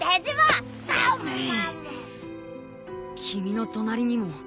君の隣にも。